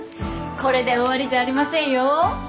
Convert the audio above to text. これで終わりじゃありませんよ。